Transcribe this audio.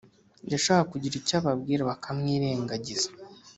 yashaka kugira icyo ababwira bakamwirengagiza